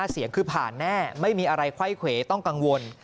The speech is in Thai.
เสียงคือผ่านแน่ไม่มีอะไรไขว้เขวต้องกังวล